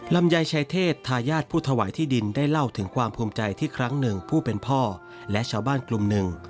ลำไยชายเทศทายาทผู้ถวายที่ดินได้เล่าถึงความภูมิใจที่ครั้งหนึ่งผู้เป็นพ่อและชาวบ้านกลุ่มหนึ่ง